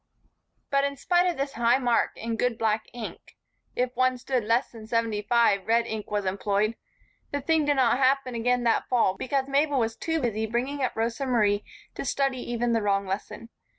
But in spite of this high mark in good black ink (if one stood less than seventy five red ink was employed) the thing did not happen again that fall because Mabel was too busy bringing up Rosa Marie to study even the wrong lesson.